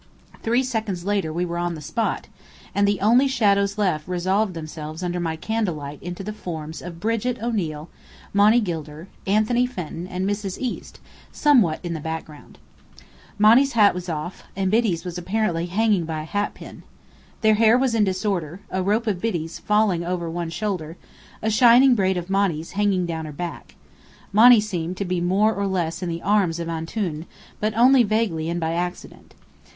Three seconds later we were on the spot; and the only shadows left resolved themselves under my candle light into the forms of Brigit O'Neill, Monny Gilder, Anthony Fenton, and Mrs. East somewhat in the background. Monny's hat was off, and Biddy's was apparently hanging by a hatpin. Their hair was in disorder, a rope of Biddy's falling over one shoulder, a shining braid of Monny's hanging down her back. Monny seemed to be more or less in the arms of Antoun, but only vaguely and by accident.